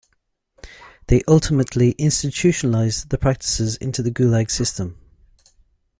They ultimately institutionalized the practices into the Gulag system.